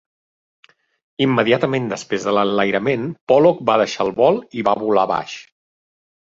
Immediatament després de l'enlairament, Pollock va deixar el vol i va volar baix.